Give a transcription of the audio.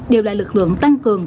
đều là lực lượng tăng cường